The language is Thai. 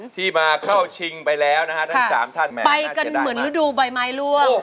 ที่มาเข้าชิงไปแล้วนะฮะทั้งสามท่านไปกันเหมือนฤดูใบไม้ล่วง